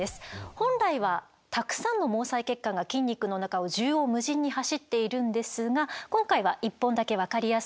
本来はたくさんの毛細血管が筋肉の中を縦横無尽に走っているんですが今回は１本だけ分かりやすく表しています。